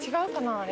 あれ。